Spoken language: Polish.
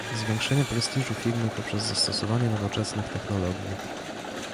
Zwiększenie prestiżu Firmy poprzez zastosowanie nowoczesnych technologii